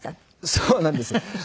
そうなんですよ。